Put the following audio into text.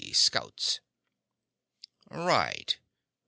scouts." "Right."